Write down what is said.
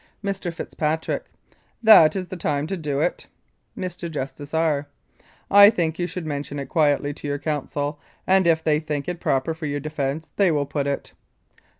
Mr. FITZPATRICK: That is the time to do it. Mr. JUSTICE R. : I think you should mention it quietly to your counsel, and if they think it proper for your defence they will put it.